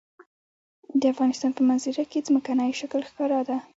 د افغانستان په منظره کې ځمکنی شکل ښکاره ده.